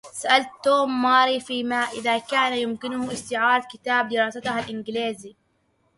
سألت توم ماري في ما إذا كان يمكنه استعارة كتاب دراستها الانجليزي.